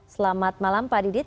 selamat malam pak didit